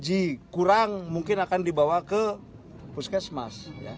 haji kurang mungkin akan dibawa ke puskesmas